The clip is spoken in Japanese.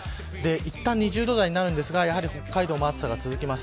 いったん２０度台になりますが北海道も暑さが続きます。